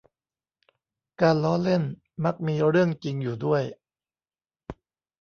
การล้อเล่นมักมีเรื่องจริงอยู่ด้วย